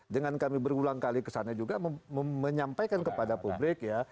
dengan kami berulang kali kesana juga menyampaikan kepada publik ya